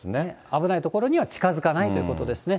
危ない所には近づかないということですね。